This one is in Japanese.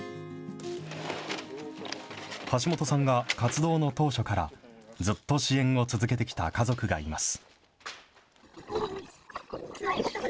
橋本さんが活動の当初から、ずっと支援を続けてきた家族がいます。